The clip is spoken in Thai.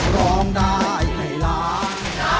ร้องได้ให้ล้าน